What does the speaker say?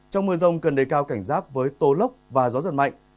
trong mưa rông cần đầy cao cảnh rác với tố lốc và gió giật mạnh